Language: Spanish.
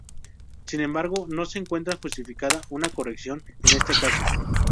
Sin embargo, no se encuentra justificada una corrección en este caso.